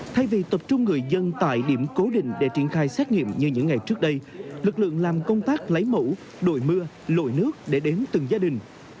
thay vì tập trung người dân tại điểm cố định để triển khai xét nghiệm như những ngày trước đây lực lượng làm công tác lấy mẫu đội mưa lội nước để đến từng gia đình